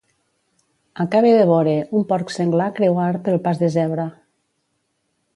Acabe de vore un porc senglar creuar pel pas de zebra.